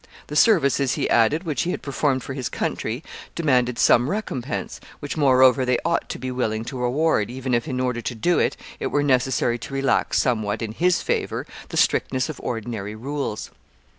The services, he added, which he had performed for his country, demanded some recompense, which, moreover, they ought to be willing to award, even if, in order to do it, it were necessary to relax somewhat in his favor the strictness of ordinary rules.